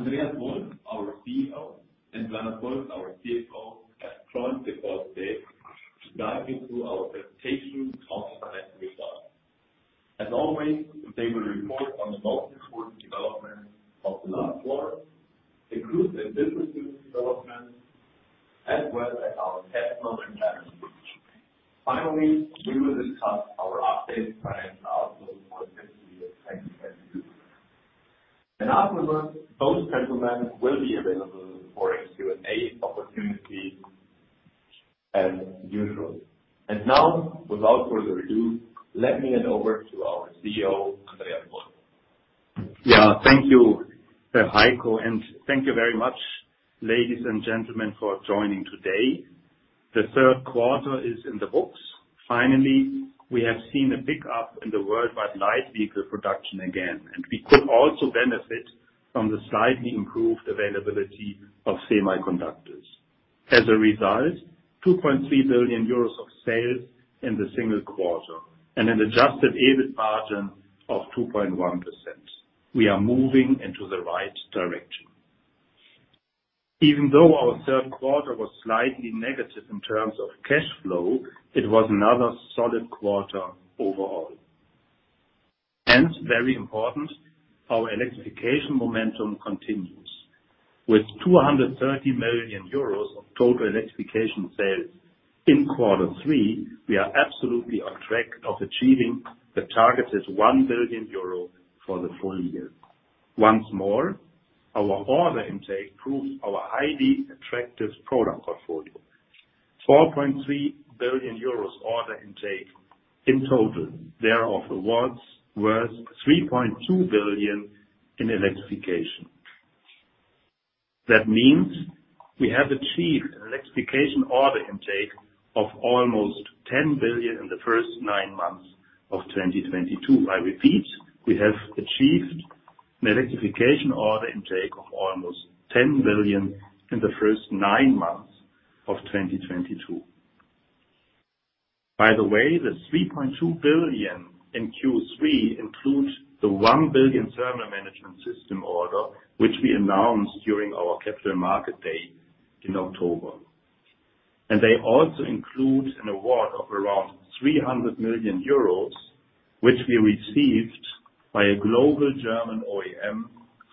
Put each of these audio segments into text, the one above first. Andreas Wolf, our CEO, and Werner Volz, our CFO, have joined the call today to guide me through our presentation of financial results. As always, they will report on the most important developments of the last quarter, the group's and business unit developments, as well as our cash flow and balance sheet. Finally, we will discuss our updated financial outlook for the fiscal year 2022. Afterwards, both gentlemen will be available for a Q&A opportunity as usual. Now, without further ado, let me hand over to our CEO, Andreas Wolf. Yeah, thank you, Heiko, and thank you very much, ladies and gentlemen, for joining today. The third quarter is in the books. Finally, we have seen a pickup in the worldwide light vehicle production again, and we could also benefit from the slightly improved availability of semiconductors. As a result, 2.3 billion euros of sales in the single quarter and an adjusted EBIT margin of 2.1%. We are moving into the right direction. Even though our third quarter was slightly negative in terms of cash flow, it was another solid quarter overall. Hence, very important, our electrification momentum continues. With 230 million euros of total electrification sales in quarter three, we are absolutely on track of achieving the targeted 1 billion euro for the full year. Once more, our order intake proves our highly attractive product portfolio. 4.3 billion euros order intake in total, thereof awards worth 3.2 billion in electrification. That means we have achieved an electrification order intake of almost 10 billion in the first nine months of 2022. I repeat, we have achieved an electrification order intake of almost 10 billion in the first nine months of 2022. By the way, the 3.2 billion in Q3 includes the 1 billion thermal management system order, which we announced during our Capital Market Day in October. They also include an award of around 300 million euros, which we received by a global German OEM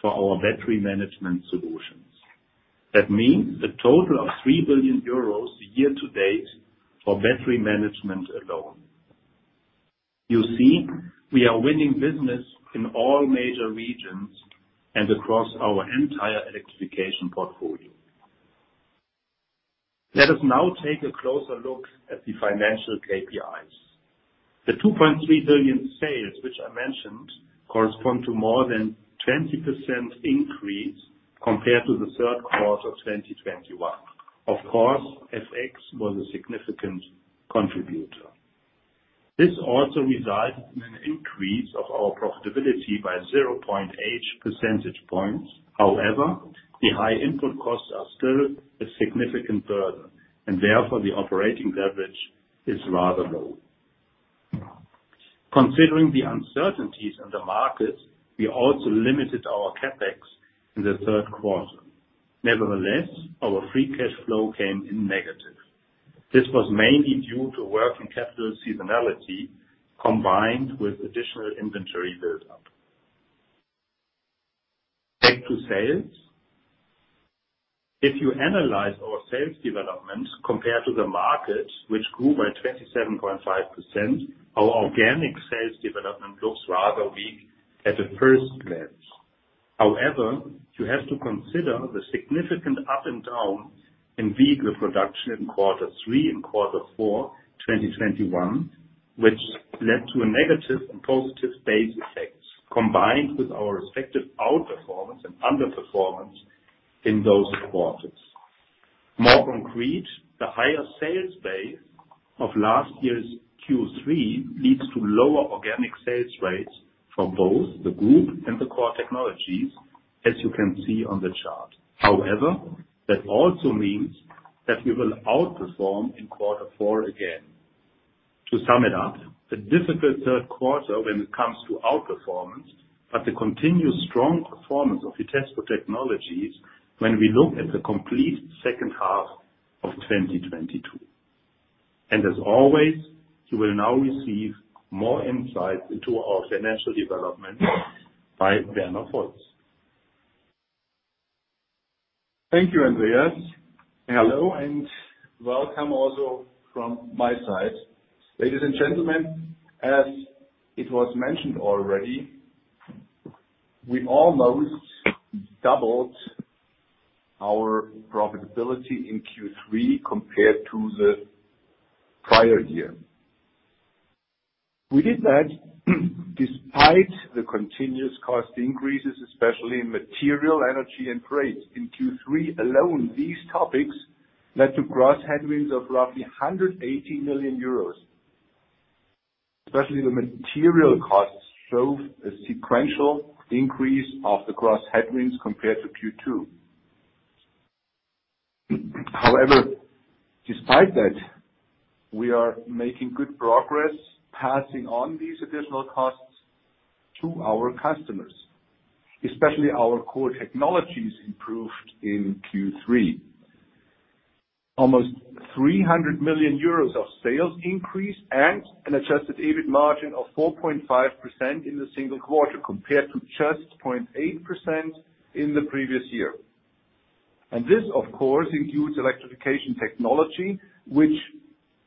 for our battery management solutions. That means a total of 3 billion euros year-to-date for battery management alone. You see, we are winning business in all major regions and across our entire electrification portfolio. Let us now take a closer look at the financial KPIs. The 2.3 billion sales, which I mentioned, correspond to more than 20% increase compared to the third quarter of 2021. Of course, FX was a significant contributor. This also resulted in an increase of our profitability by 0.8 percentage points. However, the high input costs are still a significant burden, and therefore, the operating leverage is rather low. Considering the uncertainties in the market, we also limited our CapEx in the third quarter. Nevertheless, our free cash flow came in negative. This was mainly due to working capital seasonality combined with additional inventory build-up. Back to sales. If you analyze our sales development compared to the market, which grew by 27.5%, our organic sales development looks rather weak at first glance. However, you have to consider the significant up and down in vehicle production in Q3 and Q4, 2021, which led to a negative and positive base effects, combined with our respective outperformance and underperformance in those quarters. More concretely, the higher sales base of last year's Q3 leads to lower organic sales rates for both the group and the core technologies, as you can see on the chart. However, that also means that we will outperform in Q4 again. To sum it up, a difficult Q3 when it comes to outperformance, but a continuous strong performance of Vitesco Technologies when we look at the complete second half of 2022. As always, you will now receive more insights into our financial development by Werner Volz. Thank you, Andreas. Hello, and welcome also from my side. Ladies and gentlemen, as it was mentioned already, we almost doubled our profitability in Q3 compared to the prior year. We did that despite the continuous cost increases, especially in material, energy, and freight. In Q3 alone, these topics led to gross headwinds of roughly 180 million euros. Especially the material costs showed a sequential increase of the gross headwinds compared to Q2. However, despite that, we are making good progress passing on these additional costs to our customers, especially our core technologies improved in Q3. 300 million euros of sales increase and an adjusted EBIT margin of 4.5% in the single quarter compared to just 0.8% in the previous year. This, of course, includes Electrification Technology, which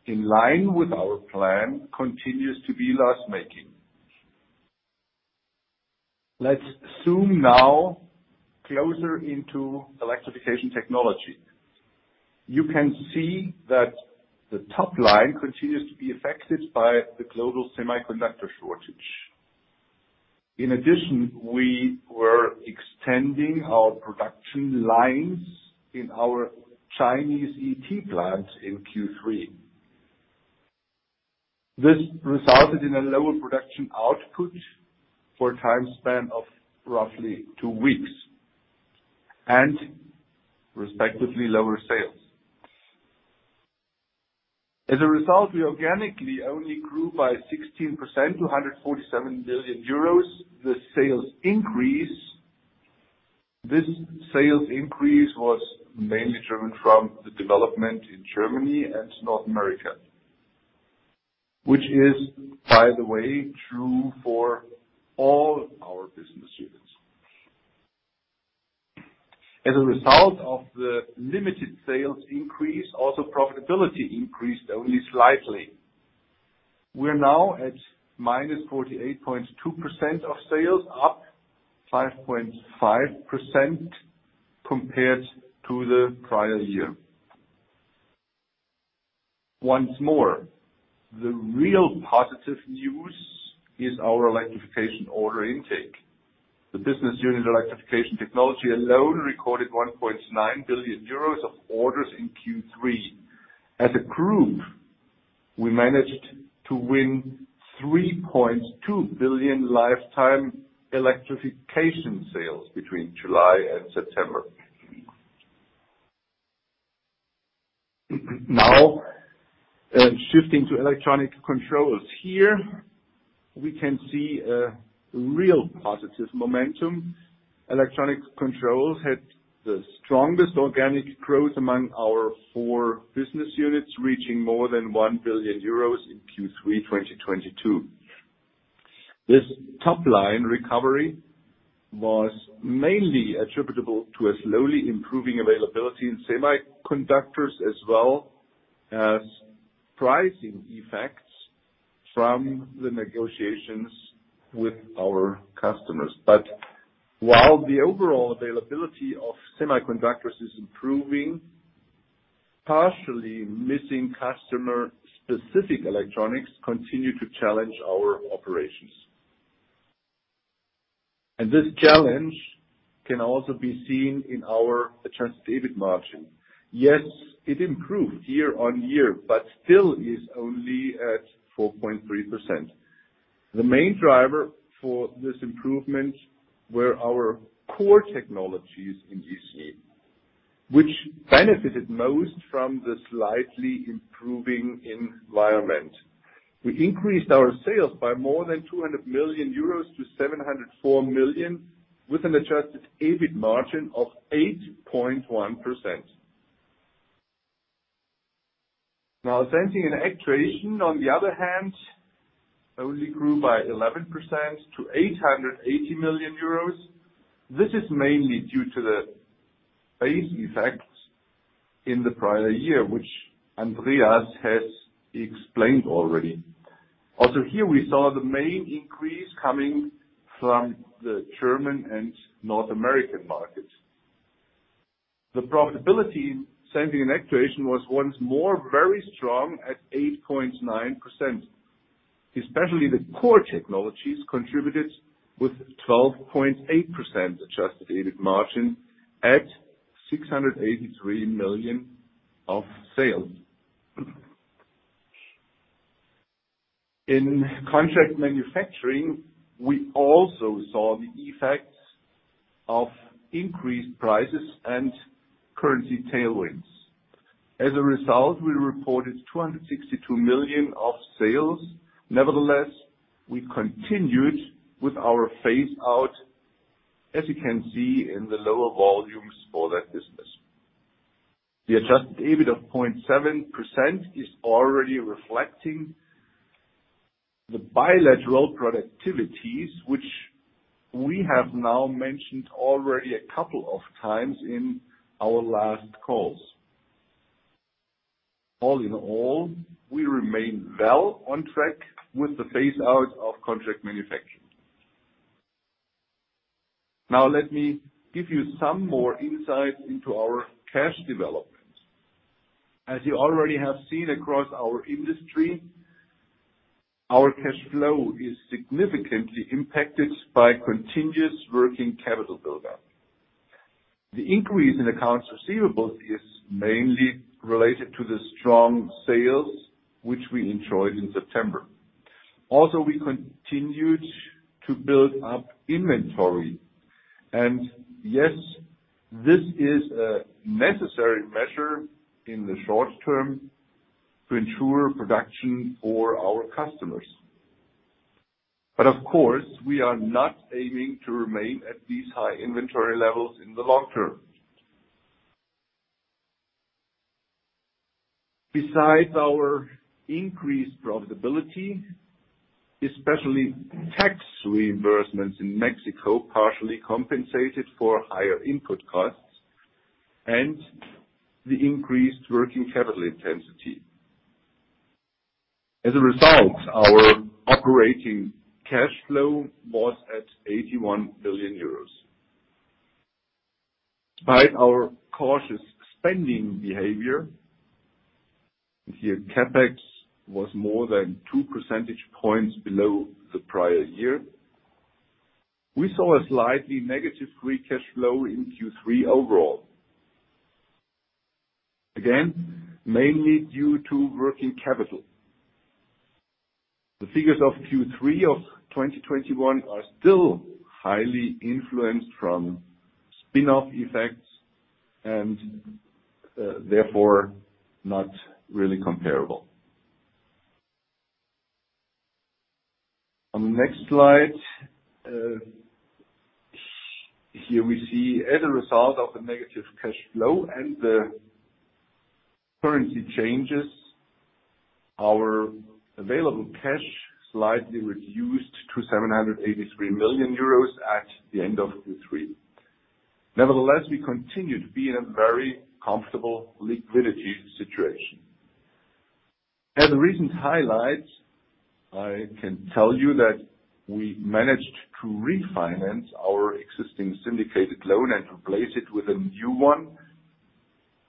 in line with our plan, continues to be loss-making. Let's zoom now closer into Electrification Technology. You can see that the top line continues to be affected by the global semiconductor shortage. In addition, we were extending our production lines in our Chinese ET plants in Q3. This resulted in a lower production output for a time span of roughly two weeks and respectively lower sales. As a result, we organically only grew by 16% to 147 million euros. This sales increase was mainly driven from the development in Germany and North America, which is, by the way, true for all our business units. As a result of the limited sales increase, also profitability increased only slightly. We're now at -48.2% of sales, up 5.5% compared to the prior year. Once more, the real positive news is our electrification order intake. The business unit Electrification Technology alone recorded 1.9 billion euros of orders in Q3. As a group, we managed to win 3.2 billion lifetime electrification sales between July and September. Now, shifting to Electronic Controls here, we can see a real positive momentum. Electronic Controls had the strongest organic growth among our four business units, reaching more than 1 billion euros in Q3 2022. This top-line recovery was mainly attributable to a slowly improving availability in semiconductors, as well as pricing effects from the negotiations with our customers. While the overall availability of semiconductors is improving, partially missing customer-specific electronics continue to challenge our operations. This challenge can also be seen in our adjusted EBIT margin. Yes, it improved year-on-year, but still is only at 4.3%. The main driver for this improvement were our core technologies in EC, which benefited most from the slightly improving environment. We increased our sales by more than 200 million euros to 704 million, with an Adjusted EBIT margin of 8.1%. Sensing & Actuation, on the other hand, only grew by 11% to 880 million euros. This is mainly due to the base effects in the prior year, which Andreas has explained already. Here, we saw the main increase coming from the German and North American markets. The profitability Sensing & Actuation was once more very strong at 8.9%, especially the core technologies contributed with 12.8% Adjusted EBIT margin at 683 million of sales. In contract manufacturing, we also saw the effects of increased prices and currency tailwinds. As a result, we reported 262 million of sales. Nevertheless, we continued with our phase out, as you can see in the lower volumes for that business. The Adjusted EBIT of 0.7% is already reflecting the better productivities, which we have now mentioned already a couple of times in our last calls. All in all, we remain well on track with the phase out of contract manufacturing. Now let me give you some more insight into our cash development. As you already have seen across our industry, our cash flow is significantly impacted by continuous working capital build-up. The increase in accounts receivables is mainly related to the strong sales which we enjoyed in September. Also, we continued to build up inventory. Yes, this is a necessary measure in the short term to ensure production for our customers. Of course, we are not aiming to remain at these high inventory levels in the long term. Besides our increased profitability, especially tax reimbursements in Mexico partially compensated for higher input costs and the increased working capital intensity. As a result, our operating cash flow was at 81 million euros. By our cautious spending behavior, here CapEx was more than two percentage points below the prior year. We saw a slightly negative free cash flow in Q3 overall. Again, mainly due to working capital. The figures of Q3 of 2021 are still highly influenced from spin-off effects and therefore not really comparable. On the next slide, here we see as a result of the negative cash flow and the currency changes, our available cash slightly reduced to 783 million euros at the end of Q3. Nevertheless, we continue to be in a very comfortable liquidity situation. As a recent highlight, I can tell you that we managed to refinance our existing syndicated loan and replace it with a new one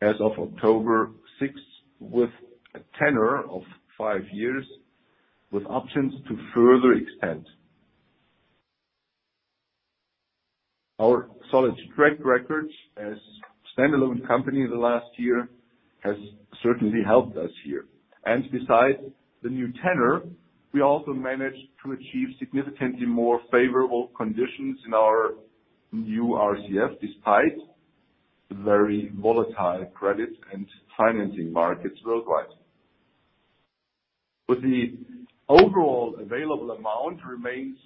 as of October sixth, with a tenor of 5 years, with options to further extend. Our solid track records as standalone company in the last year has certainly helped us here. Besides the new tenor, we also managed to achieve significantly more favorable conditions in our new RCF, despite the very volatile credit and financing markets worldwide. The overall available amount remains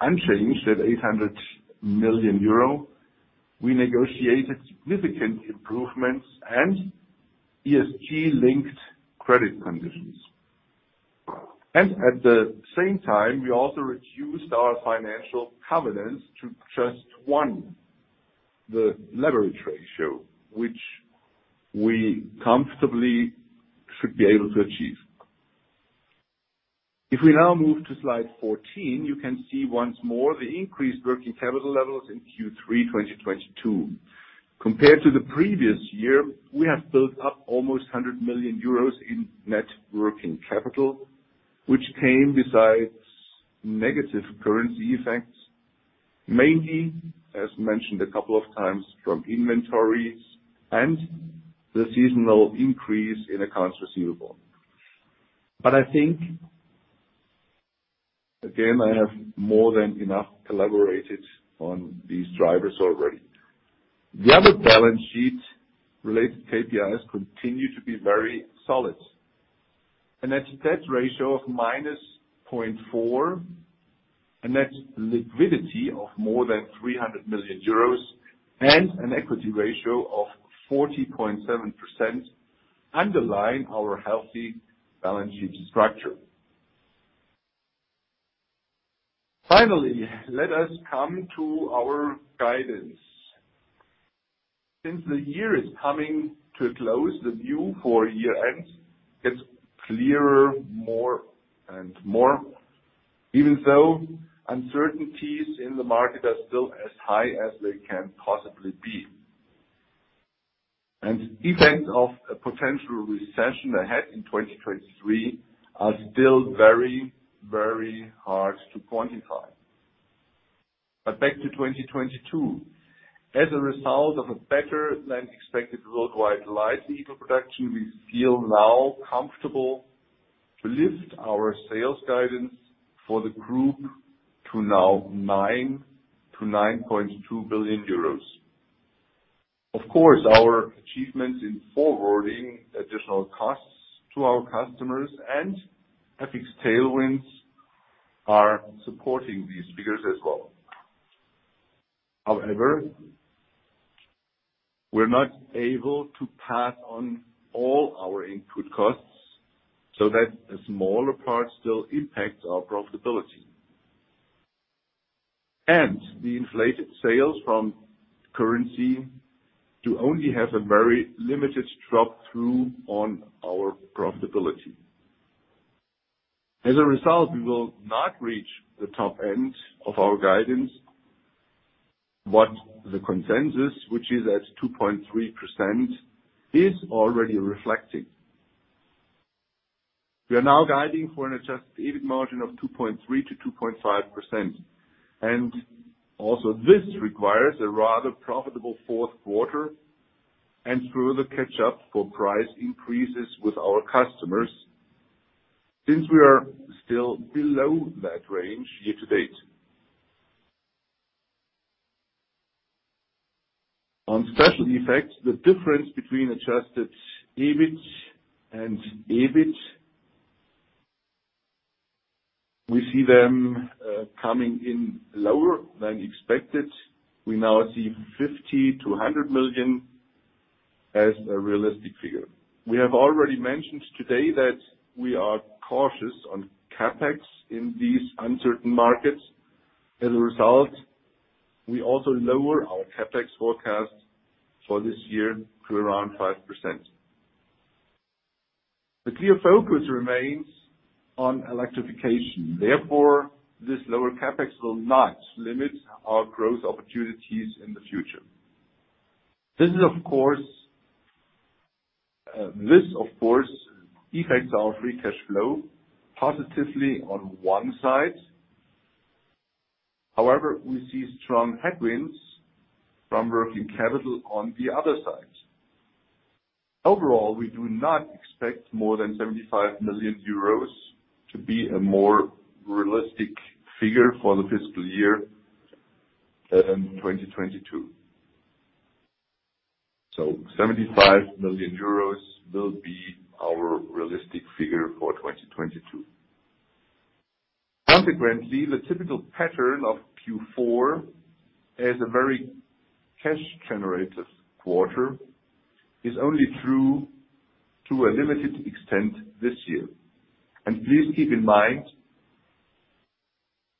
unchanged at 800 million euro. We negotiated significant improvements and ESG-linked credit conditions. At the same time, we also reduced our financial covenants to just one, the leverage ratio, which we comfortably should be able to achieve. If we now move to slide 14, you can see once more the increased working capital levels in Q3 2022. Compared to the previous year, we have built up almost 100 million euros in net working capital, which came besides negative currency effects, mainly, as mentioned a couple of times, from inventories and the seasonal increase in accounts receivable. I think, again, I have more than enough elaborated on these drivers already. The other balance sheet related KPIs continue to be very solid. A net debt ratio of -0.4, a net liquidity of more than 300 million euros, and an equity ratio of 40.7% underline our healthy balance sheet structure. Finally, let us come to our guidance. Since the year is coming to a close, the view for year-end gets clearer more and more, even though uncertainties in the market are still as high as they can possibly be. Impact of a potential recession ahead in 2023 are still very, very hard to quantify. Back to 2022. As a result of a better-than-expected worldwide light vehicle production, we feel now comfortable to lift our sales guidance for the group to now 9 billion-9.2 billion euros. Of course, our achievements in forwarding additional costs to our customers and FX tailwinds are supporting these figures as well. However, we're not able to pass on all our input costs, so that a smaller part still impacts our profitability. The inflated sales from currency do only have a very limited drop-through on our profitability. As a result, we will not reach the top end of our guidance, what the consensus, which is at 2.3%, is already reflecting. We are now guiding for an adjusted EBIT margin of 2.3%-2.5%. This requires a rather profitable fourth quarter and further catch up for price increases with our customers since we are still below that range year to date. On special effects, the difference between adjusted EBIT and EBIT, we see them coming in lower than expected. We now see 50 million-100 million as a realistic figure. We have already mentioned today that we are cautious on CapEx in these uncertain markets. As a result, we also lower our CapEx forecast for this year to around 5%. The clear focus remains on electrification. Therefore, this lower CapEx will not limit our growth opportunities in the future. This of course affects our free cash flow positively on one side. However, we see strong headwinds from working capital on the other side. Overall, we do not expect more than 75 million euros to be a more realistic figure for the fiscal year 2022. 75 million euros will be our realistic figure for 2022. Consequently, the typical pattern of Q4 as a very cash generative quarter is only true to a limited extent this year. Please keep in mind,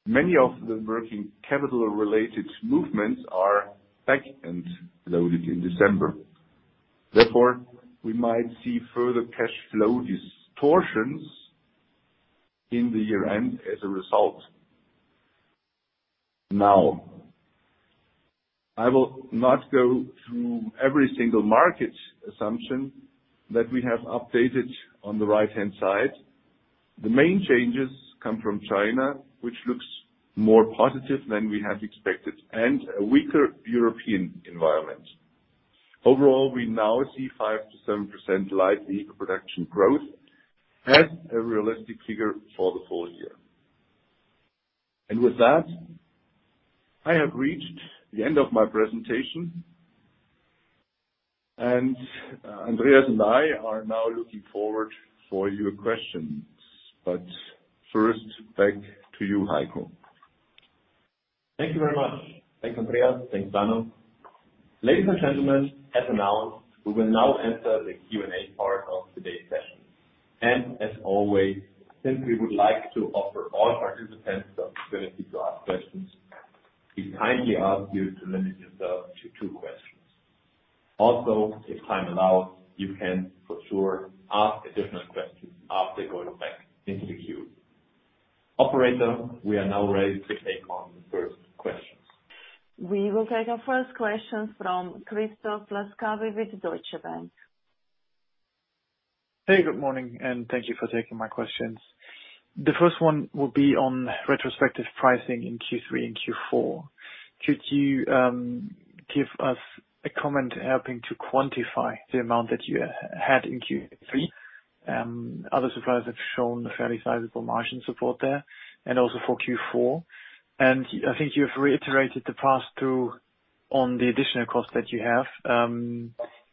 many of the working capital related movements are back-end loaded in December. Therefore, we might see further cash flow distortions in the year-end as a result. Now, I will not go through every single market assumption that we have updated on the right-hand side. The main changes come from China, which looks more positive than we have expected, and a weaker European environment. Overall, we now see 5%-7% light vehicle production growth as a realistic figure for the full year. With that, I have reached the end of my presentation. Andreas and I are now looking forward for your questions. First, back to you, Heiko. Thank you very much. Thanks, Andreas. Thanks, Werner. Ladies and gentlemen, as announced, we will now enter the Q&A part of today's session. As always, since we would like to offer all participants the opportunity to ask questions, we kindly ask you to limit yourself to two questions. Also, if time allows, you can for sure ask additional questions after going back into the queue. Operator, we are now ready to take on the first question. We will take our first question from Christoph Laskawi with Deutsche Bank. Hey, good morning, and thank you for taking my questions. The first one will be on retrospective pricing in Q3 and Q4. Could you give us a comment helping to quantify the amount that you had in Q3? Other suppliers have shown fairly sizable margin support there and also for Q4. I think you have reiterated the pass-through on the additional cost that you have.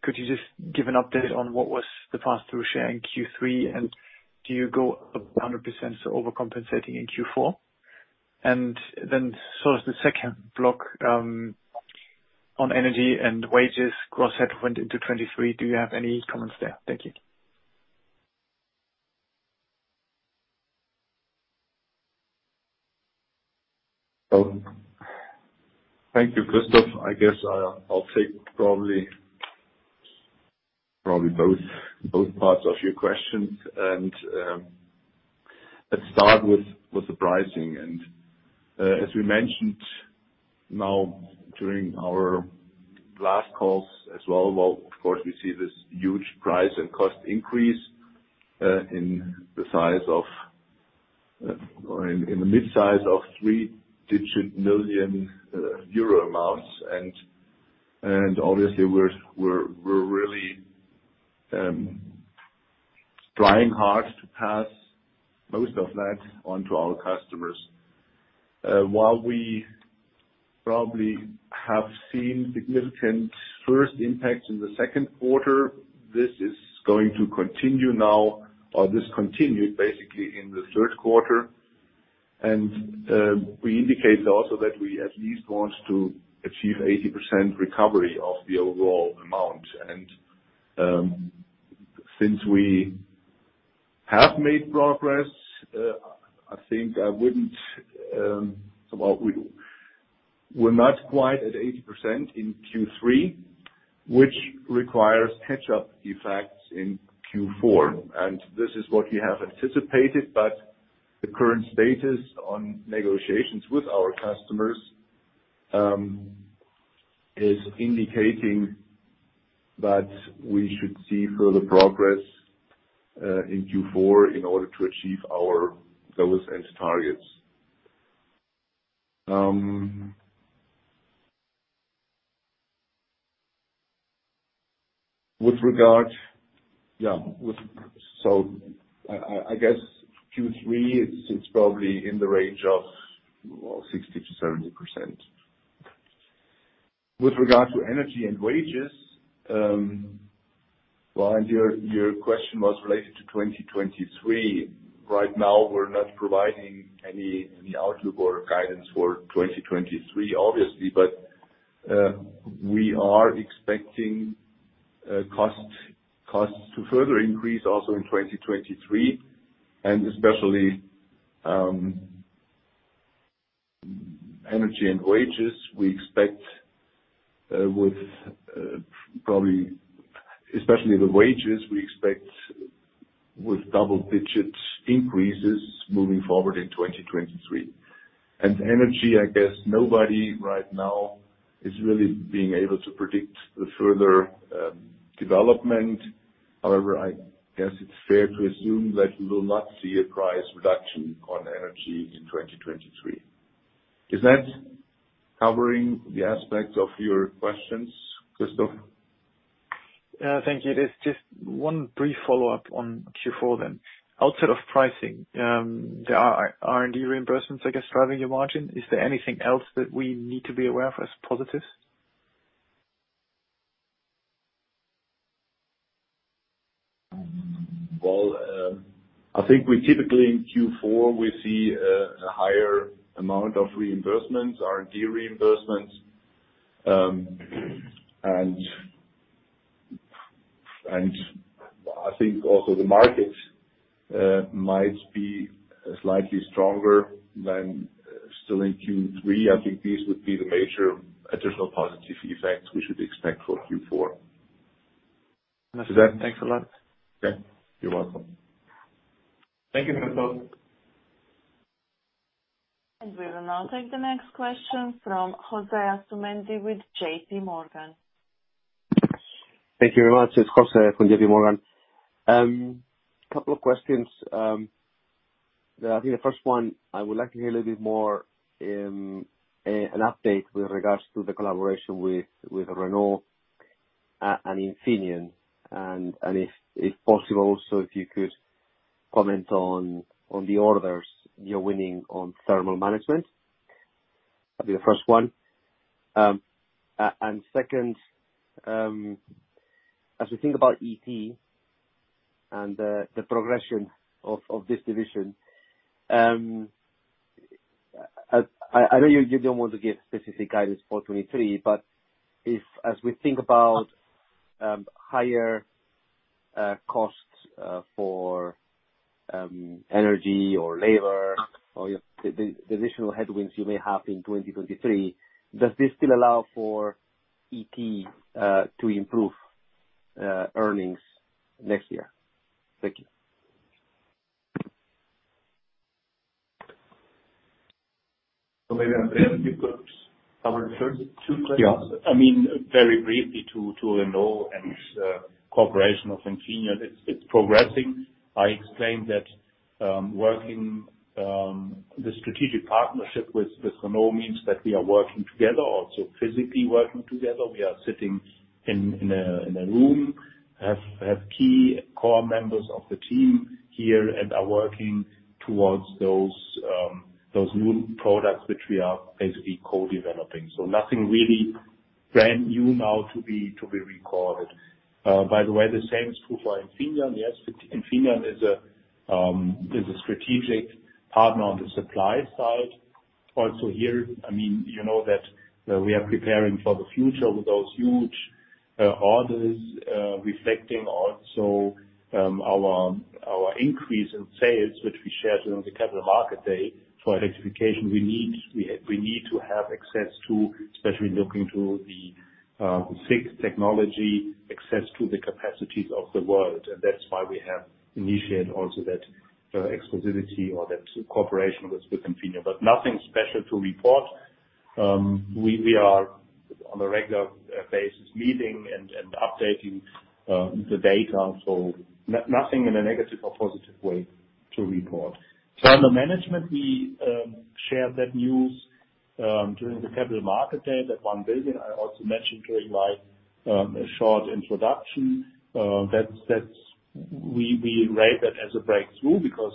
Could you just give an update on what was the pass-through share in Q3, and do you go 100%, so overcompensating in Q4? As the second block, on energy and wage costs headwinds into 2023, do you have any comments there? Thank you. Thank you, Christoph. I guess I'll take probably both parts of your questions and let's start with the pricing. As we mentioned now during our last calls as well, of course, we see this huge price and cost increase in the size of three-digit million EUR amounts. Obviously we're really trying hard to pass most of that on to our customers. While we probably have seen significant first impact in the second quarter, this is going to continue now or this continued basically in the third quarter. We indicate also that we at least want to achieve 80% recovery of the overall amount. Since we have made progress, I think I wouldn't, well we're not quite at 80% in Q3, which requires catch-up effects in Q4. This is what we have anticipated, but the current status on negotiations with our customers is indicating that we should see further progress in Q4 in order to achieve our goals and targets. With regard, I guess Q3 it's probably in the range of 60%-70%. With regard to energy and wages, well, your question was related to 2023. Right now we're not providing any outlook or guidance for 2023, obviously. We are expecting costs to further increase also in 2023, and especially energy and wages we expect with probably. Especially the wages, we expect with double-digit increases moving forward in 2023. Energy, I guess nobody right now is really being able to predict the further development. However, I guess it's fair to assume that we will not see a price reduction on energy in 2023. Is that covering the aspects of your questions, Christoph? Thank you. It is just one brief follow-up on Q4 then. Outside of pricing, there are R&D reimbursements, I guess, driving your margin. Is there anything else that we need to be aware of as positives? I think we typically in Q4 we see a higher amount of reimbursements, R&D reimbursements. Well, I think also the markets might be slightly stronger than still in Q3. I think these would be the major additional positive effects we should expect for Q4. Thanks a lot. Yeah. You're welcome. Thank you, Christoph. We will now take the next question from José Asumendi with JPMorgan. Thank you very much. It's José from JPMorgan. Couple of questions that I think the first one I would like to hear a little bit more, an update with regards to the collaboration with Renault and Infineon Technologies. If possible also, you could comment on the orders you're winning on thermal management. That'd be the first one. Second, as we think about ET and the progression of this division, I know you don't want to give specific guidance for 2023, but as we think about higher costs for energy or labor or the additional headwinds you may have in 2023, does this still allow for ET to improve earnings next year? Thank you. Maybe, Andreas, you could cover the first two questions. Yeah. I mean, very briefly to Renault and its cooperation with Infineon. It's progressing. I explained that the strategic partnership with Renault means that we are working together, also physically working together. We are sitting in a room, have key core members of the team here and are working towards those new products which we are basically co-developing. Nothing really brand new now to be recorded. By the way, the same is true for Infineon. Yes, Infineon is a strategic partner on the supply side. Also here, I mean, you know that we are preparing for the future with those huge orders reflecting also our increase in sales, which we shared on the Capital Market Day. For electrification, we need to have access to, especially looking to the SiC technology, access to the capacities of the world. That's why we have initiated also that exclusivity or that cooperation with Infineon. But nothing special to report. We are on a regular basis meeting and updating the data. Nothing in a negative or positive way to report. Thermal management, we shared that news during the Capital Market Day, that 1 billion. I also mentioned during my short introduction. That's. We rate that as a breakthrough because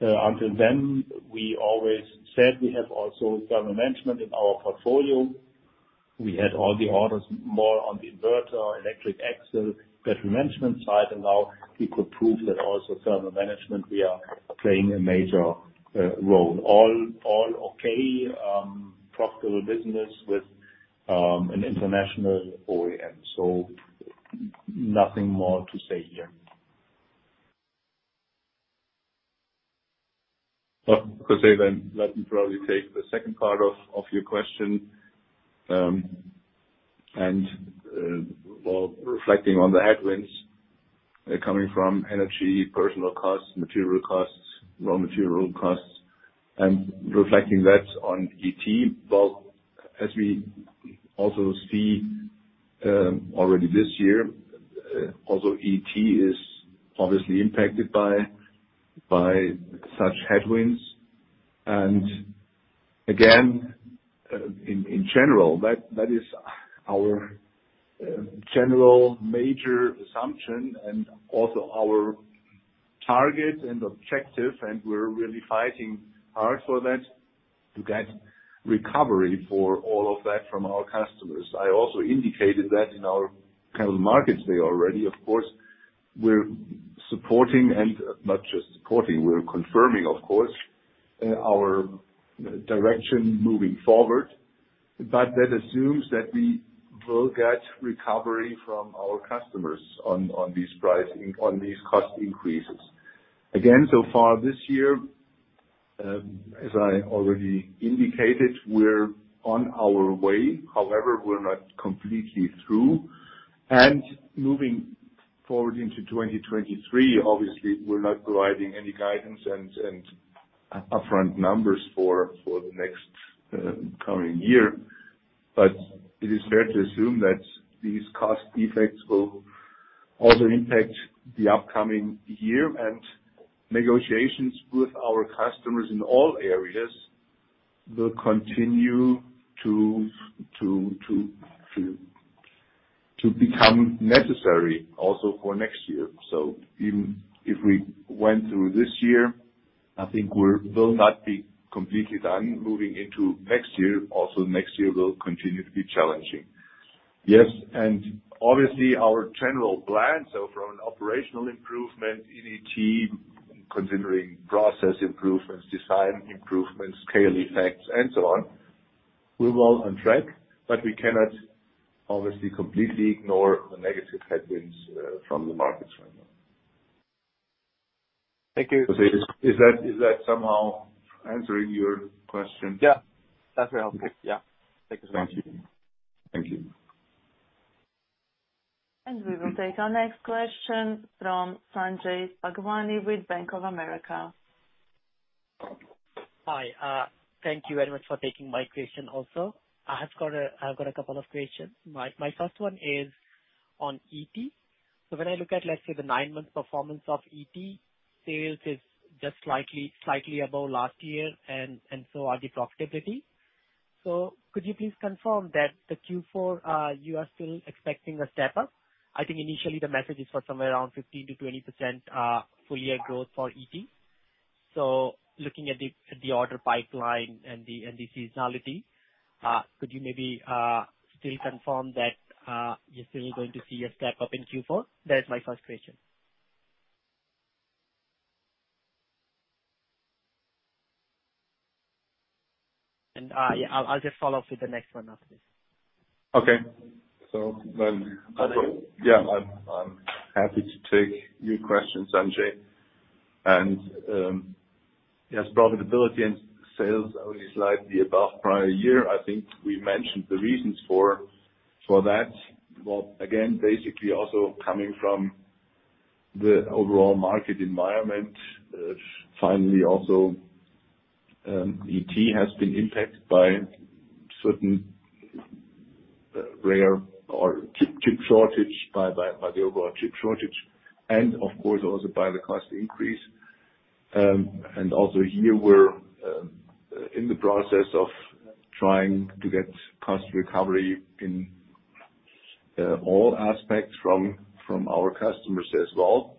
until then we always said we have also thermal management in our portfolio. We had all the orders more on the inverter, electric axle, battery management side, and now we could prove that also thermal management, we are playing a major role. All okay, profitable business with an international OEM. Nothing more to say here. Well, José, let me probably take the second part of your question. Reflecting on the headwinds. They're coming from energy, personnel costs, material costs, raw material costs, and reflecting that on ET. Well, as we also see already this year, although ET is obviously impacted by such headwinds. Again, in general that is our general major assumption and also our target and objective, and we're really fighting hard for that to get recovery for all of that from our customers. I also indicated that in our Capital Market Day already. Of course, we're supporting and not just supporting, we're confirming, of course, our direction moving forward. That assumes that we will get recovery from our customers on these pricing on these cost increases. So far this year, as I already indicated, we're on our way. However, we're not completely through. Moving forward into 2023, obviously we're not providing any guidance and upfront numbers for the next coming year. It is fair to assume that these cost effects will also impact the upcoming year, and negotiations with our customers in all areas will continue to become necessary also for next year. Even if we went through this year, I think we will not be completely done moving into next year. Next year will continue to be challenging. Obviously our general plan, so from an operational improvement in ET, considering process improvements, design improvements, scale effects and so on, we're well on track. We cannot obviously completely ignore the negative headwinds from the markets right now. Thank you. Is that somehow answering your question? Yeah. That's very helpful. Yeah. Thank you so much. Thank you. Thank you. We will take our next question from Sanjay Bhagwani with Bank of America. Hi. Thank you very much for taking my question also. I've got a couple of questions. My first one is on ET. When I look at, let's say, the nine-month performance of ET, sales is just slightly above last year and so are the profitability. Could you please confirm that the Q4 you are still expecting a step up? I think initially the message is for somewhere around 15%-20% full year growth for ET. Looking at the order pipeline and the seasonality, could you maybe still confirm that you're still going to see a step up in Q4? That is my first question. I'll just follow up with the next one after this. Okay. Other. Yeah. I'm happy to take your question, Sanjay. Yes, profitability and sales are only slightly above prior year. I think we mentioned the reasons for that. Well, again, basically also coming from the overall market environment. Finally, also, ET has been impacted by certain chip shortage by the overall chip shortage and of course also by the cost increase. Also here we're in the process of trying to get cost recovery in all aspects from our customers as well.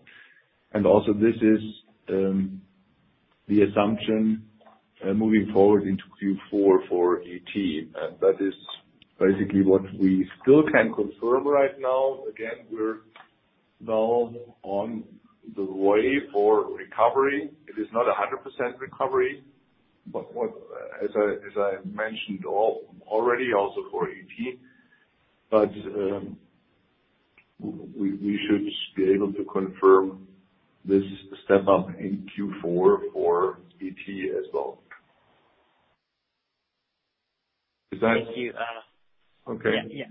Also this is the assumption moving forward into Q4 for ET. That is basically what we still can confirm right now. Again, we're now on the way for recovery. It is not 100% recovery. As I mentioned already also for ET, but we should be able to confirm this step up in Q4 for ET as well. Is that? Thank you. Okay. Yeah. Yes.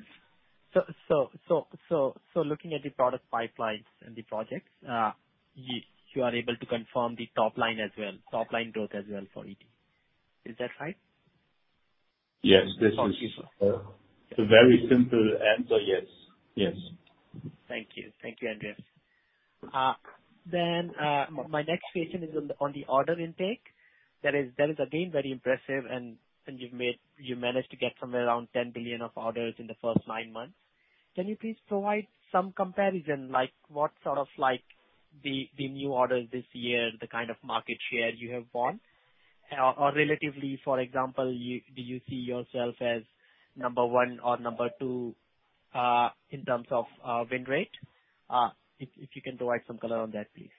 Looking at the product pipelines and the projects, you are able to confirm the top line as well, top-line growth as well for ET. Is that right? Yes. Okay. A very simple answer, yes. Yes. Thank you. Thank you, Andreas. My next question is on the order intake. That is again very impressive, and you managed to get somewhere around 10 billion of orders in the first nine months. Can you please provide some comparison, like what sort of like the new orders this year, the kind of market share you have won? Or relatively for example, do you see yourself as number one or number two in terms of win rate? If you can provide some color on that, please.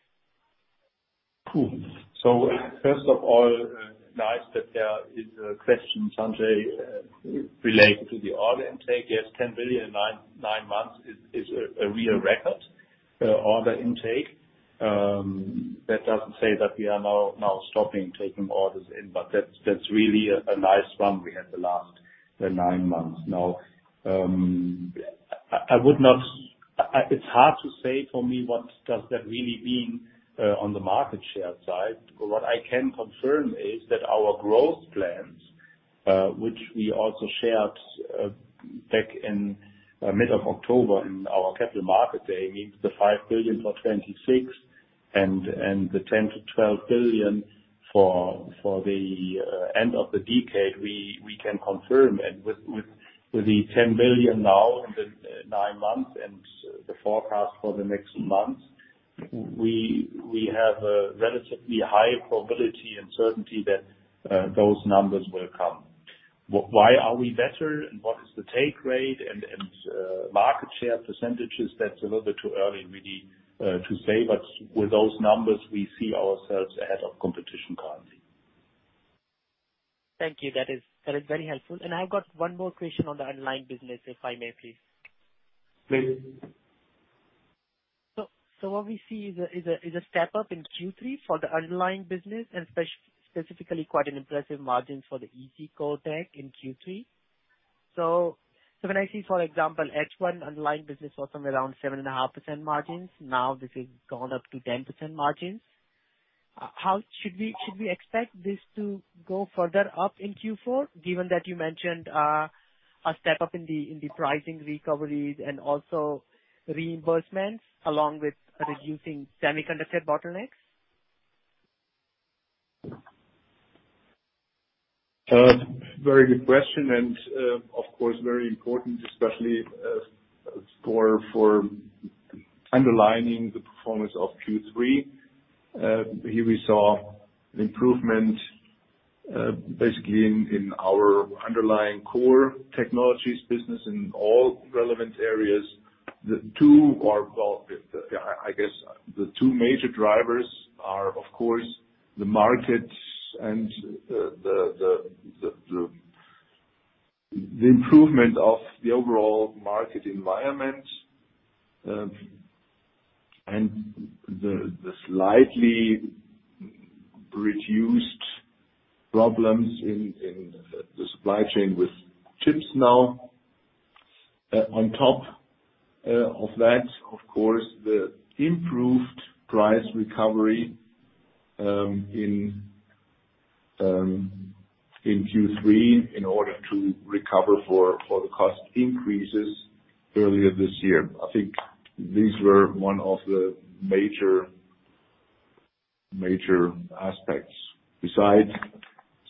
Cool. First of all, nice that there is a question, Sanjay, related to the order intake. Yes, 10 billion in 9 months is a real record order intake. That doesn't say that we are now stopping taking orders, but that's really a nice run we had the last 9 months. It's hard to say for me what does that really mean on the market share side. What I can confirm is that our growth plans, which we also shared back in mid-October in our Capital Market Day, means 5 billion for 2026 and the 10-12 billion for the end of the decade, we can confirm. With the 10 billion now in the nine months and the forecast for the next months, we have a relatively high probability and certainty that those numbers will come. Why are we better and what is the take rate and market share percentages? That's a little bit too early, really, to say, but with those numbers, we see ourselves ahead of competition currently. Thank you. That is very helpful. I've got one more question on the underlying business, if I may, please. Please. What we see is a step up in Q3 for the underlying business and specifically quite an impressive margin for the core tech in Q3. When I see, for example, H1 underlying business was somewhere around 7.5% margins. Now this has gone up to 10% margins. Should we expect this to go further up in Q4, given that you mentioned a step up in the pricing recoveries and also reimbursements, along with reducing semiconductor bottlenecks? Very good question and, of course, very important, especially for underlining the performance of Q3. Here we saw an improvement, basically in our underlying core technologies business in all relevant areas. Well, I guess the two major drivers are, of course, the markets and the improvement of the overall market environment, and the slightly reduced problems in the supply chain with chips now. On top of that, of course, the improved price recovery in Q3 in order to recover for the cost increases earlier this year. I think these were one of the major aspects. Besides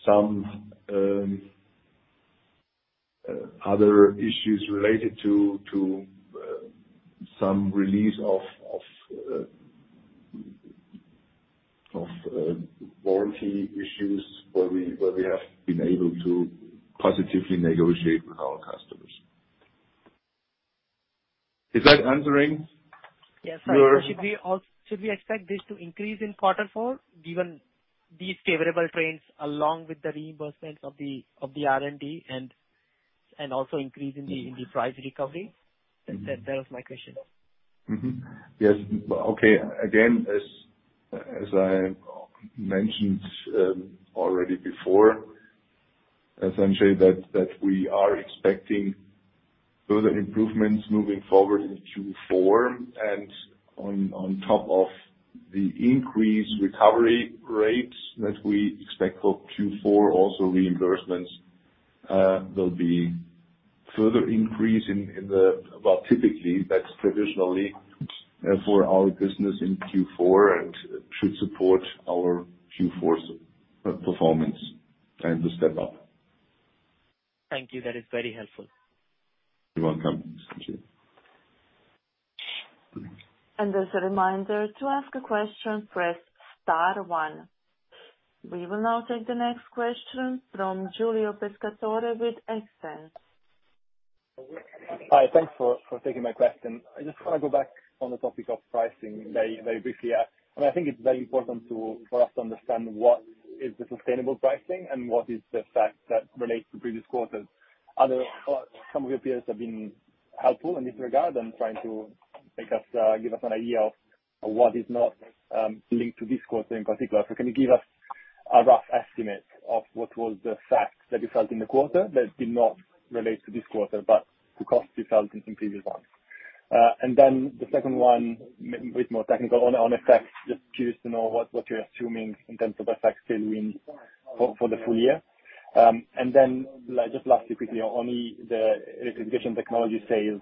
some other issues related to some release of warranty issues where we have been able to positively negotiate with our customers. Is that answering your- Yes. Should we expect this to increase in quarter four, given these favorable trends along with the reimbursements of the R&D and also increase in the price recovery? Mm-hmm. That was my question. Mm-hmm. Yes. Okay. Again, as I mentioned already before, essentially that we are expecting further improvements moving forward in Q4 and on top of the increased recovery rates that we expect for Q4, also reimbursements. Well, typically, that's traditionally for our business in Q4 and should support our Q4's performance and the step up. Thank you. That is very helpful. You're welcome. Thank you. As a reminder, to ask a question, press star one. We will now take the next question from Giulio Pescatore with Exane. Hi. Thanks for taking my question. I just wanna go back on the topic of pricing very, very briefly. I think it's very important for us to understand what is the sustainable pricing and what is the impact that relates to previous quarters. Others, some of your peers have been helpful in this regard and trying to give us an idea of what is not linked to this quarter in particular. Can you give us a rough estimate of what was the impact that you felt in the quarter that did not relate to this quarter, but the costs you felt in previous ones? And then the second one, a bit more technical on FX. Just curious to know what you're assuming in terms of FX headroom for the full year. Like, just lastly, quickly on the Electrification Technology sales.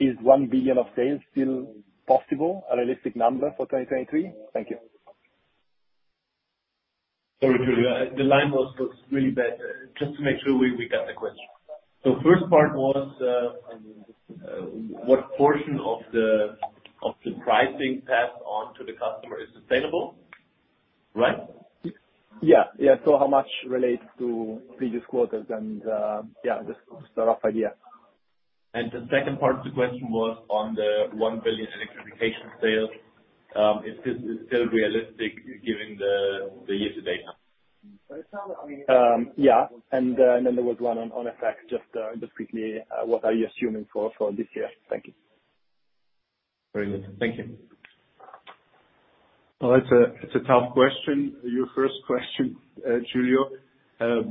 Is 1 billion of sales still possible, a realistic number for 2023? Thank you. Sorry, Giulio. The line was really bad. Just to make sure we got the question. First part was, what portion of the pricing passed on to the customer is sustainable, right? Yeah. How much relates to previous quarters and, yeah, just a rough idea? The second part of the question was on the 1 billion electrification sales. Is this still realistic given the year to date now? There was one on FX. Just quickly, what are you assuming for this year? Thank you. Very good. Thank you. Well, it's a tough question, your first question, Giulio. Our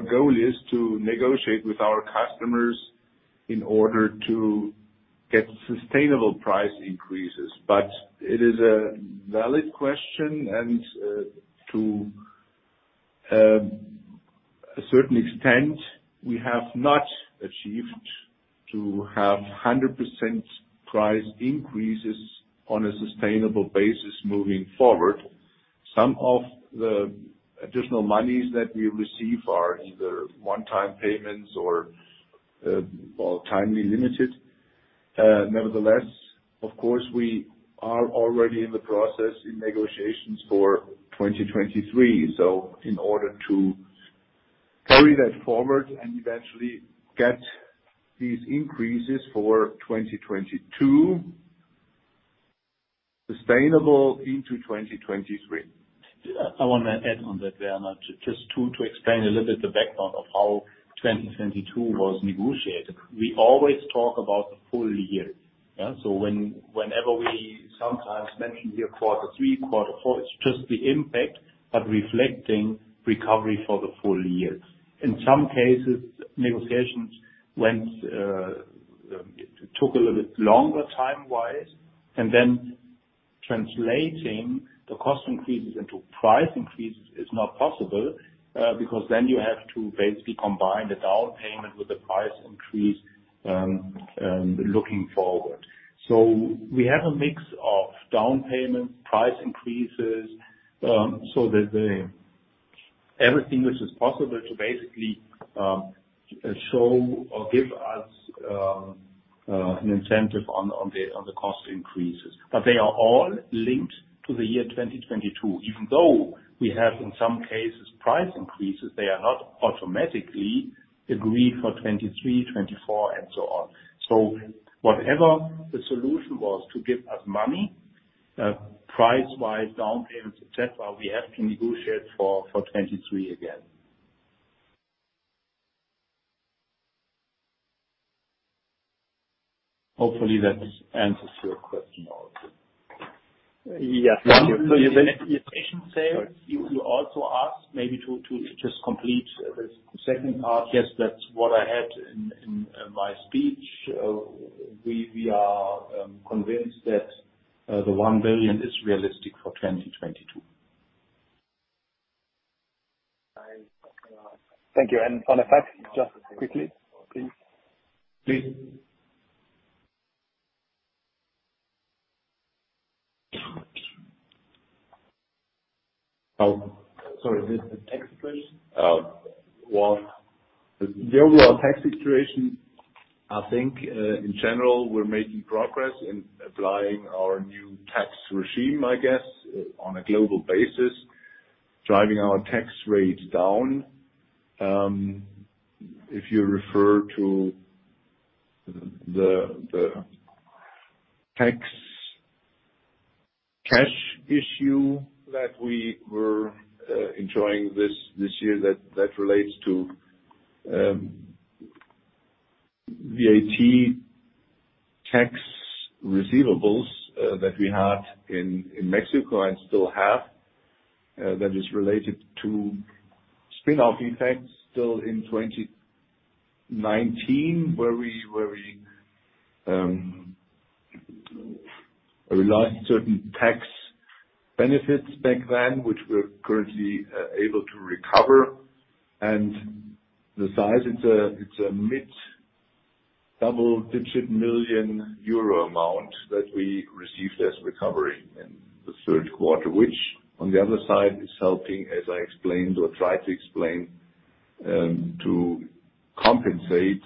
goal is to negotiate with our customers in order to get sustainable price increases. It is a valid question and, to a certain extent, we have not achieved to have 100% price increases on a sustainable basis moving forward. Some of the additional monies that we receive are either one-time payments or time-limited. Nevertheless, of course, we are already in the process of negotiations for 2023. In order to carry that forward and eventually get these increases for 2022 sustainable into 2023. I wanna add on that, Werner. Just to explain a little bit the background of how 2022 was negotiated. We always talk about the full year. Yeah? Whenever we sometimes mention here quarter three, quarter four, it's just the impact of reflecting recovery for the full year. In some cases, negotiations took a little bit longer time-wise, and then translating the cost increases into price increases is not possible, because then you have to basically combine the down payment with the price increase, looking forward. We have a mix of down payments, price increases, so that everything which is possible to basically show or give us an incentive on the cost increases. They are all linked to the year 2022. Even though we have, in some cases, price increases, they are not automatically agreed for 2023, 2024 and so on. Whatever the solution was to give us money, price-wise, down payments, et cetera, we have to negotiate for 2023 again. Hopefully that answers your question also. Yes. Thank you. You also asked maybe to just complete the second part. Yes, that's what I had in my speech. We are convinced that the 1 billion is realistic for 2022. Thank you. On FX, just quickly, please. Please. Oh, sorry. Is this the tax situation? Well, the overall tax situation, I think, in general, we're making progress in applying our new tax regime, I guess, on a global basis, driving our tax rate down. If you refer to the tax cash issue that we were enduring this year, that relates to VAT tax receivables that we had in Mexico and still have, that is related to spin-off effects still in 2019, where we realized certain tax benefits back then, which we're currently able to recover. The size, it's a mid-double digit million EUR amount that we received as recovery in the third quarter, which on the other side is helping, as I explained or tried to explain, to compensate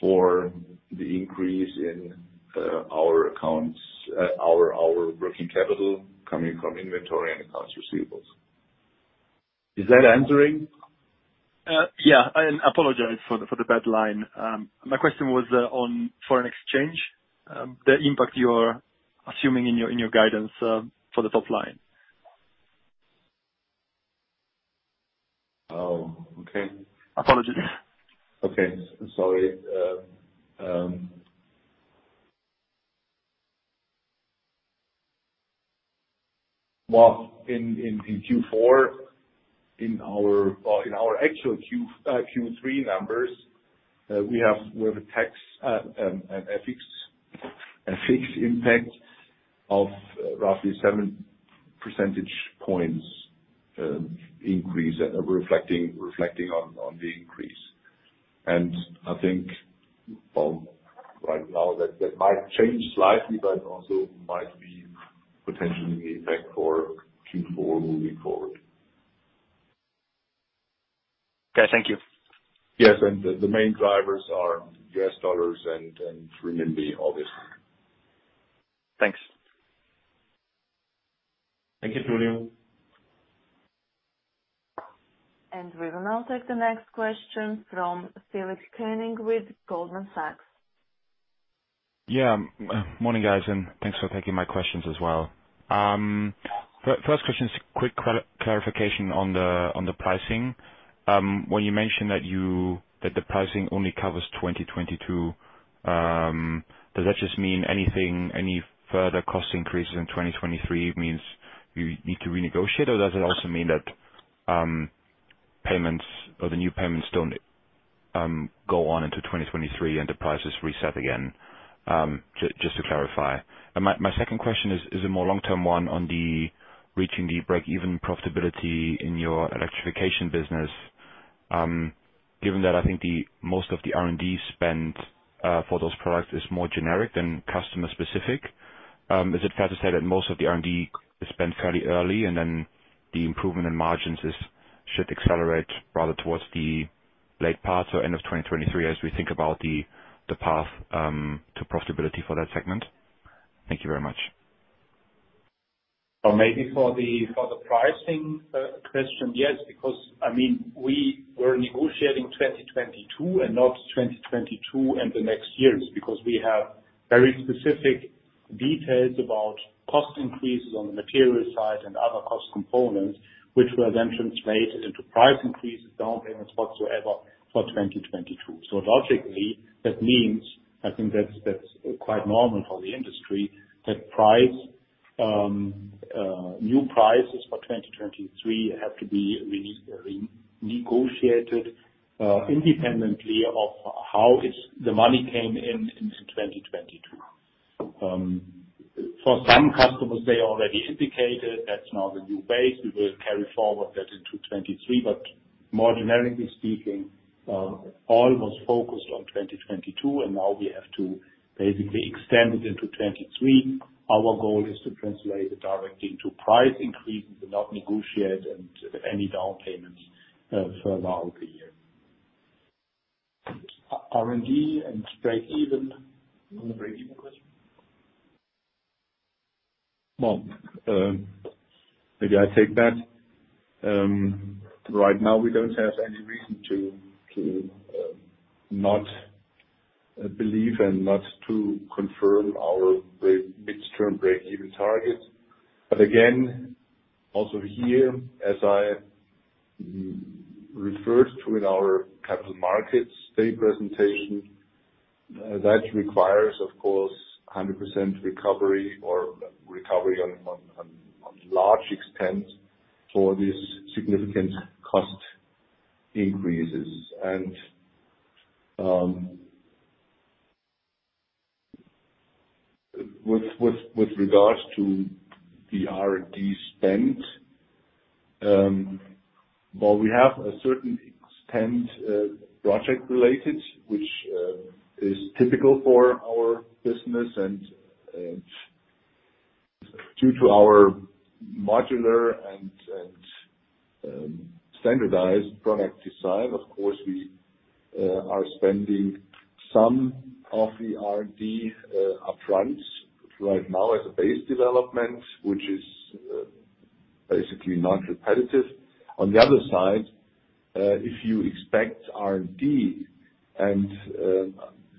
for the increase in our working capital coming from inventory and accounts receivables. Is that answering? Yeah, apologize for the bad line. My question was on foreign exchange, the impact you're assuming in your guidance for the top line. Oh, okay. Apologies. Okay. Sorry. Well, in Q4, in our actual Q3 numbers, we have a tax, a fixed impact of roughly 7 percentage points increase, reflecting on the increase. I think, well, right now that might change slightly, but also might be potentially the impact for Q4 moving forward. Okay. Thank you. Yes. The main drivers are U.S. dollars and renminbi, obviously. Thanks. Thank you, Giulio. We will now take the next question from Philipp Henning with Goldman Sachs. Yeah. Morning, guys, and thanks for taking my questions as well. First question is a quick clarification on the pricing. When you mentioned that the pricing only covers 2022, does that just mean anything, any further cost increases in 2023 means you need to renegotiate, or does it also mean that payments or the new payments don't go on into 2023 and the price is reset again? Just to clarify. My second question is a more long-term one on the reaching the break-even profitability in your electrification business, given that I think the most of the R&D spend for those products is more generic than customer specific. Is it fair to say that most of the R&D is spent fairly early, and then the improvement in margins should accelerate rather towards the late part or end of 2023 as we think about the path to profitability for that segment? Thank you very much. Maybe for the pricing question, yes, because, I mean, we were negotiating 2022 and not 2022 and the next years, because we have very specific details about cost increases on the material side and other cost components, which were then translated into price increases, down payments whatsoever for 2022. Logically, that means, I think that's quite normal for the industry, that price new prices for 2023 have to be re-negotiated, independently of how the money came in in 2022. For some customers, they already indicated that's now the new base. We will carry forward that into 2023. More generically speaking, all was focused on 2022, and now we have to basically extend it into 2023. Our goal is to translate it directly to price increases and not negotiate any down payments throughout the year. R&D and break even. You want a break even question? Well, maybe I take that. Right now we don't have any reason to not believe and not to confirm our mid-term break-even targets. Again, also here, as I referred to in our Capital Market Day presentation, that requires, of course, 100% recovery or recovery to a large extent for these significant cost increases. With regards to the R&D spend, while we have to a certain extent project-related, which is typical for our business and due to our modular and standardized product design, of course we are spending some of the R&D upfront right now as a base development, which is basically non-repetitive. On the other side, if you expect R&D and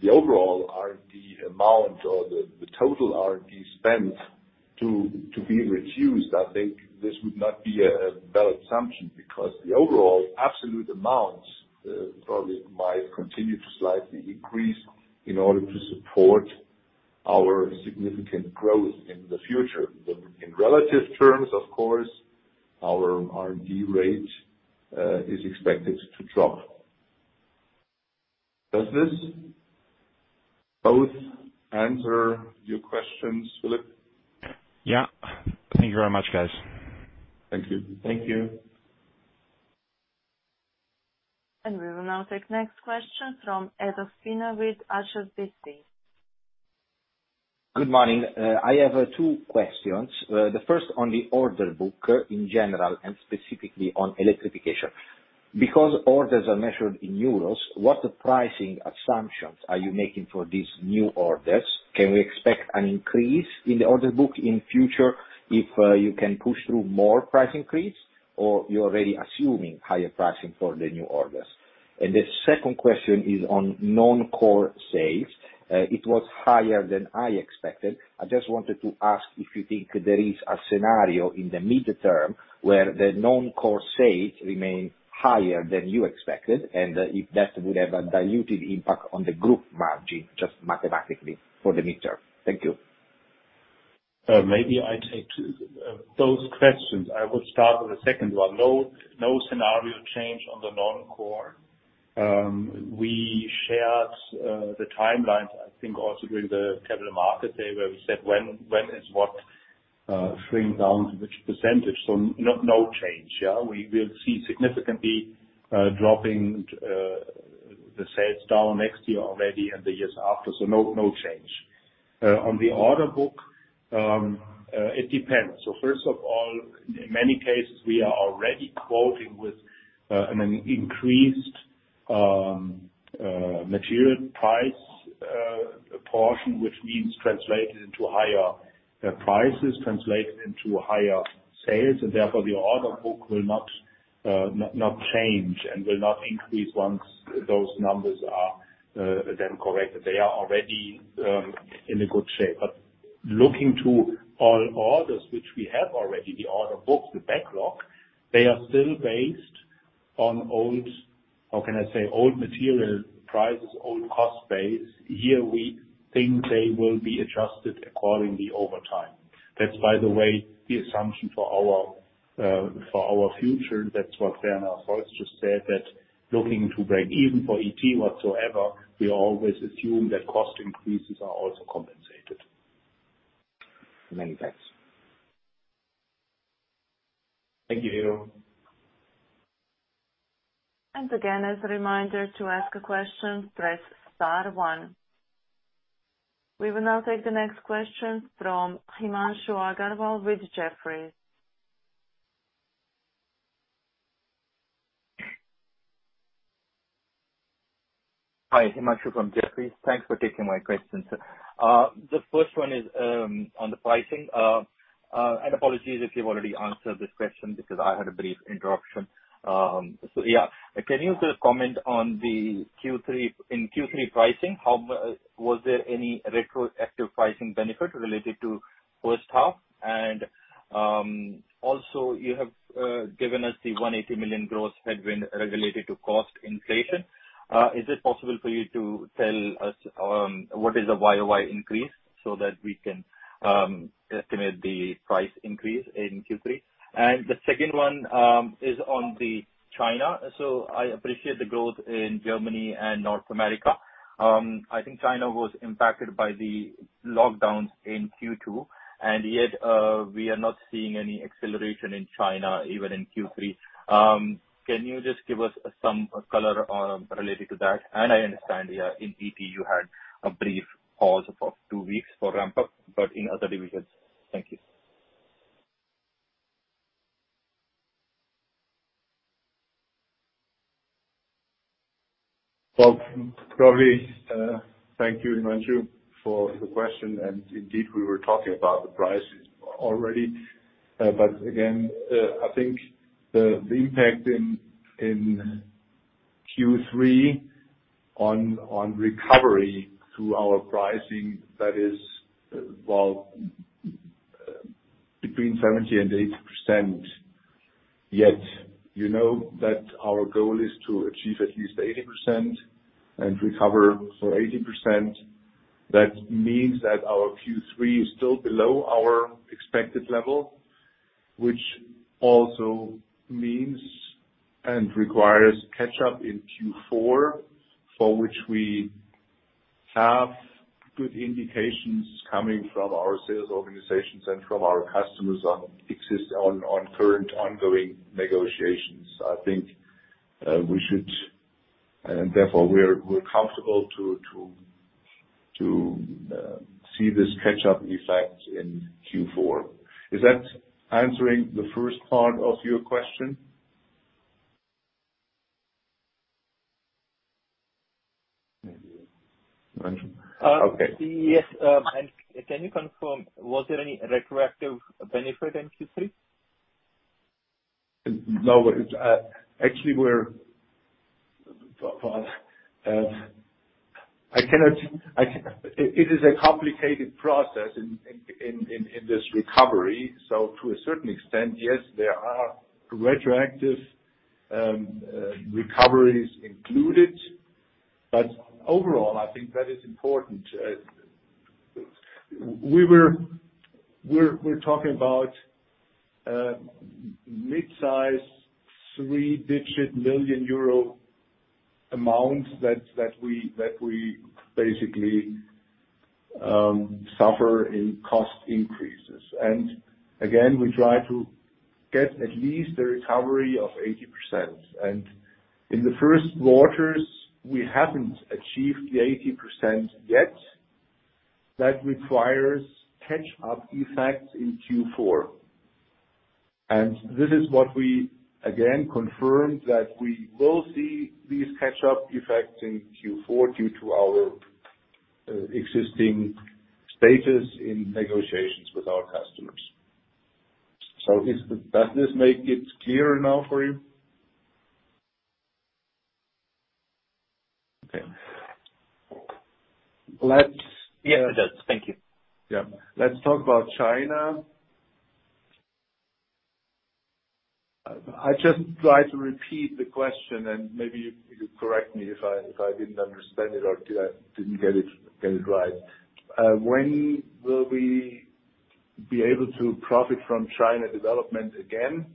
the overall R&D amount or the total R&D spend to be reduced, I think this would not be a fair assumption because the overall absolute amount probably might continue to slightly increase in order to support our significant growth in the future. In relative terms, of course, our R&D rate is expected to drop. Does this both answer your questions, Felix? Yeah. Thank you very much, guys. Thank you. Thank you. We will now take next question from Edoardo Spina with HSBC. Good morning. I have two questions. The first on the order book in general, and specifically on electrification. Because orders are measured in euros, what pricing assumptions are you making for these new orders? Can we expect an increase in the order book in future if you can push through more price increase, or you're already assuming higher pricing for the new orders? The second question is on non-core sales. It was higher than I expected. I just wanted to ask if you think there is a scenario in the mid-term where the non-core sales remain higher than you expected, and if that would have a diluted impact on the group margin, just mathematically for the mid-term. Thank you. Maybe I take those questions. I will start with the second one. No scenario change on the non-core. We shared the timelines, I think also during the Capital Market Day, where we said when is what shrink down to which %. No change, yeah. We will see significantly dropping the sales down next year already and the years after. No change. On the order book, it depends. First of all, in many cases, we are already quoting with an increased material price portion which means translated into higher prices, translated into higher sales, and therefore the order book will not change and will not increase once those numbers are then corrected. They are already in a good shape. Looking to all orders which we have already, the order books, the backlog, they are still based on old, how can I say, old material prices, old cost base. Here we think they will be adjusted accordingly over time. That's by the way, the assumption for our future. That's what Werner Volz just said, that looking to break even for ET whatsoever, we always assume that cost increases are also compensated. Many thanks. Thank you, Edoardo. Again, as a reminder, to ask a question, press star one. We will now take the next question from Himanshu Agarwal with Jefferies. Hi. Himanshu from Jefferies. Thanks for taking my questions. The first one is on the pricing. Apologies if you've already answered this question because I had a brief interruption. Yeah. Can you just comment on the Q3 pricing. Was there any retroactive pricing benefit related to first half? Also, you have given us the 180 million gross headwind related to cost inflation. Is it possible for you to tell us what is the YOY increase so that we can estimate the price increase in Q3? The second one is on China. I appreciate the growth in Germany and North America. I think China was impacted by the lockdowns in Q2, and yet we are not seeing any acceleration in China even in Q3. Can you just give us some color on related to that? I understand, yeah, in ET you had a brief pause of two weeks for ramp up, but in other divisions. Thank you. Well, probably, thank you, Himanshu, for the question, and indeed, we were talking about the prices already. But again, I think the impact in Q3 on recovery to our pricing, that is, well, between 70% and 80%. Yet, you know that our goal is to achieve at least 80% and recover for 80%. That means that our Q3 is still below our expected level, which also means and requires catch-up in Q4, for which we have good indications coming from our sales organizations and from our customers on current ongoing negotiations. I think and therefore we're comfortable to see this catch-up effect in Q4. Is that answering the first part of your question? Himanshu? Okay. Yes. Can you confirm, was there any retroactive benefit in Q3? No. Actually, it is a complicated process in this recovery. To a certain extent, yes, there are retroactive recoveries included. Overall, I think that is important. We're talking about mid-size, three-digit EUR million amounts that we basically suffer in cost increases. Again, we try to get at least a recovery of 80%. In the first quarters, we haven't achieved the 80% yet. That requires catch-up effects in Q4. This is what we again confirmed that we will see these catch-up effects in Q4 due to our existing status in negotiations with our customers. Does this make it clearer now for you? Okay. Let's Yes, it does. Thank you. Yeah. Let's talk about China. I'd just like to repeat the question and maybe you correct me if I didn't understand it or I didn't get it right. When will we be able to profit from China development again?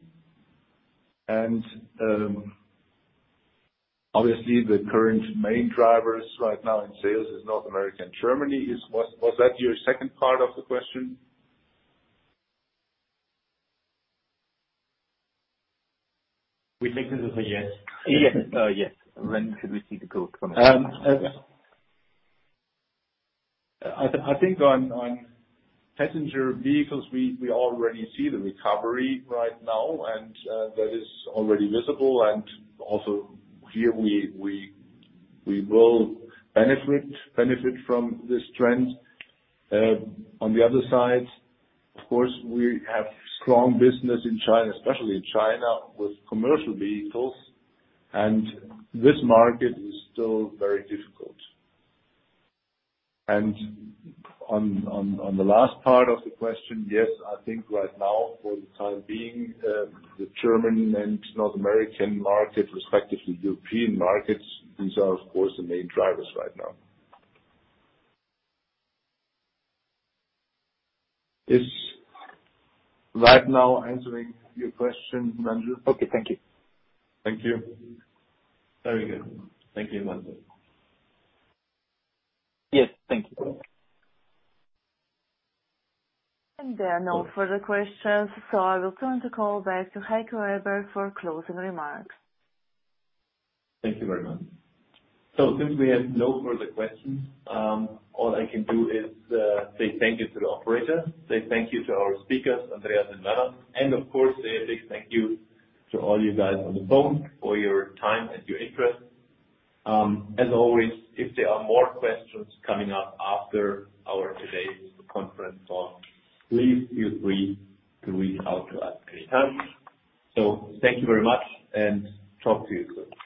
Obviously, the current main drivers right now in sales is North America and Germany. Was that your second part of the question? We take that as a yes. Yes. Yes. When should we see the growth coming? I think on passenger vehicles, we already see the recovery right now, and that is already visible. Also here, we will benefit from this trend. On the other side, of course, we have strong business in China, especially in China, with commercial vehicles, and this market is still very difficult. On the last part of the question, yes, I think right now, for the time being, the German and North American market, respectively, European markets, these are of course the main drivers right now. Is right now answering your question, Himanshu? Okay. Thank you. Thank you. Very good. Thank you, Himanshu. Yes, thank you. There are no further questions, so I will turn the call back to Heiko Eber for closing remarks. Thank you very much. Since we have no further questions, all I can do is say thank you to the operator, say thank you to our speakers, Andreas and Werner, and of course, say a big thank you to all you guys on the phone for your time and your interest. As always, if there are more questions coming up after our today's conference call, please feel free to reach out to us anytime. Thank you very much and talk to you soon.